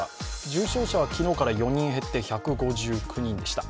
重症者は昨日から４人減って１５９人でした。